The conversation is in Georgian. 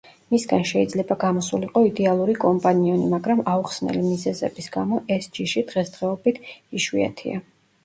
მისგან შეიძლება გამოსულიყო იდეალური კომპანიონი, მაგრამ აუხსნელი მიზეზების გამო, ეს ჯიში დღესდღეობით იშვიათია.